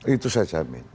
itu saya jamin